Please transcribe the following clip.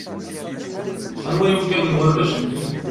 Anwa i ugaden warrac-nni?